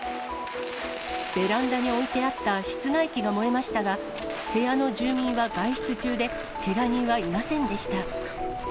ベランダに置いてあった室外機が燃えましたが、部屋の住民は外出中で、けが人はいませんでした。